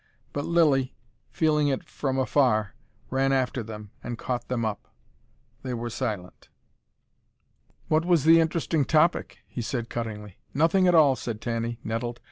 But Lilly, feeling it from afar, ran after them and caught them up. They were silent. "What was the interesting topic?" he said cuttingly. "Nothing at all!" said Tanny, nettled.